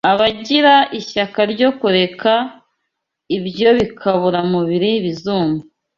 Abagira ishyaka ryo kureka ibyo bikaburamubiri bizumva